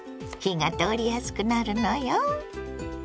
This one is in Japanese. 火が通りやすくなるのよ。